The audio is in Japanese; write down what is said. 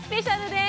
です。